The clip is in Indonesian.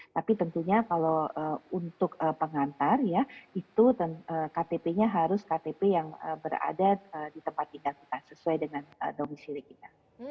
tapi tentunya kalau untuk pengantar ya itu ktp nya harus ktp yang berada di tempat tinggal kita sesuai dengan domisili kita